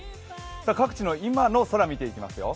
各地の今の空見ていきますよ。